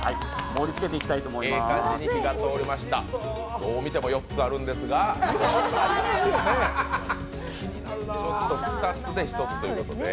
どう見ても４つあるんですが２つで１つということで。